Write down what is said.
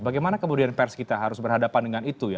bagaimana kemudian pers kita harus berhadapan dengan itu ya